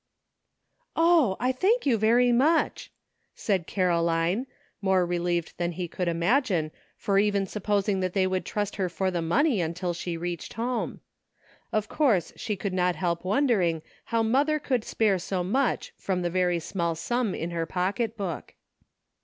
"Oh! I thank you very much," said Caroline, more relieved than he could imagine for even supposing that they would trust her for the money until she reached home. Of course she could not help wondering how mother could spare so much from the very small sum in her pocketbook.